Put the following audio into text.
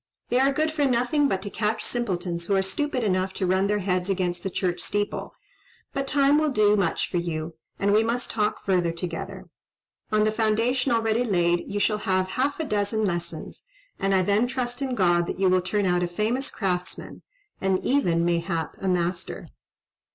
They are good for nothing but to catch simpletons who are stupid enough to run their heads against the church steeple; but time will do much for you, and we must talk further together. On the foundation already laid you shall have half a dozen lessons; and I then trust in God that you will turn out a famous craftsman, and even, mayhap, a master."